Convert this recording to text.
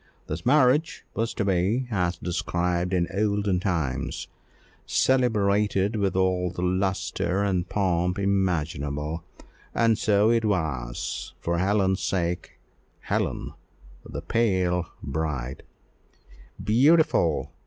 This marriage was to be, as described in olden times, "celebrated with all the lustre and pomp imaginable;" and so it was, for Helen's sake, Helen, the pale bride "Beautiful!"